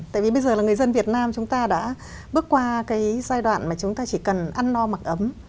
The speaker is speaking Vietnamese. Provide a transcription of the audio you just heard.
tại vì bây giờ là người dân việt nam chúng ta đã bước qua cái giai đoạn mà chúng ta chỉ cần ăn no mặc ấm